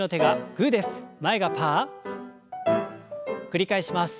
繰り返します。